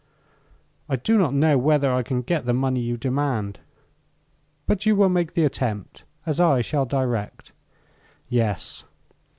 "I do not know whether I can get the money you demand." "But you will make the attempt, as I shall direct?" "Yes."